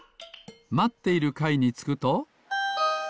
まっているかいにつくと。